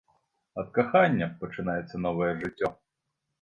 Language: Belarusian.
Ад кахання пачынаецца новае жыццё.